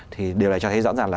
thì điều này cho thấy rõ ràng là